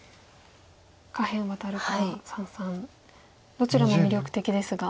下辺ワタるか三々どちらも魅力的ですが。